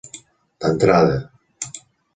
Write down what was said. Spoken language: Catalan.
D'entrada.